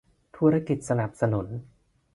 ธุรกิจสนับสนุน